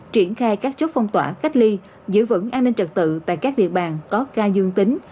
triển khai các chốt phong tỏa cách ly giữ vững an ninh trật tự tại các địa bàn có ca dương tính